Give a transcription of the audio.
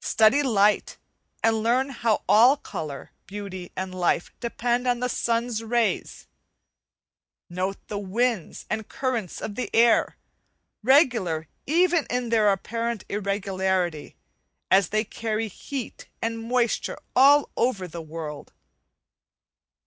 Study light, and learn how all colour, beauty, and life depend on the sun's rays; note the winds and currents of the air, regular even in their apparent irregularity, as they carry heat and moisture all over the world.